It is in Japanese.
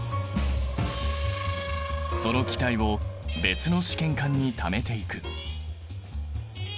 その気体を別の試験管にためていく。